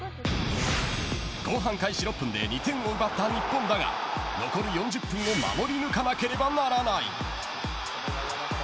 後半開始６分で２点を奪った日本だが残り４０分を守り抜かなければならない。